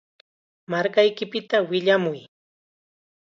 Markaypita willamuy.